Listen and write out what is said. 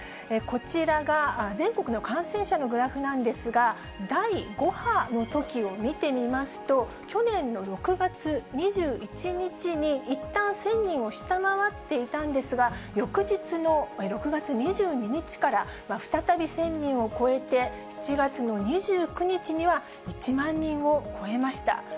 こちらが全国の感染者のグラフなんですが、第５波のときを見てみますと、去年の６月２１日にいったん１０００人を下回っていたんですが、翌日の６月２２日から、再び１０００人を超えて、７月の２９日には１万人を超えました。